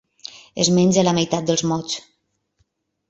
Es menja la meitat dels mots.